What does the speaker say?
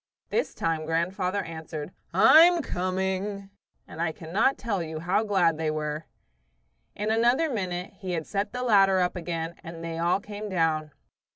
This time grandfather answered, "I'm coming!" and I cannot tell you how glad they were. In another minute he had set the ladder up again and they all came down.